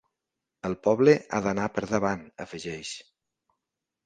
El poble ha d’anar per davant, afegeix.